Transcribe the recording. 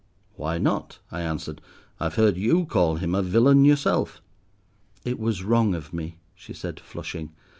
"Why not?" I answered. "I have heard you call him a villain yourself." "It was wrong of me," she said, flushing.